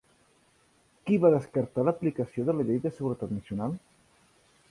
Qui va descartar l'aplicació de la llei de seguretat nacional?